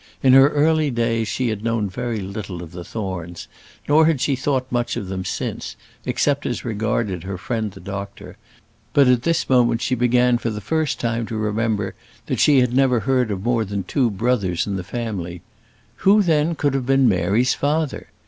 In her early days she had known very little of the Thornes, nor had she thought much of them since, except as regarded her friend the doctor; but at this moment she began for the first time to remember that she had never heard of more than two brothers in the family. Who then could have been Mary's father?